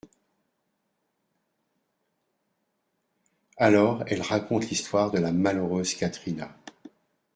Alors elle raconte l'histoire de la «malheureuse Caterina».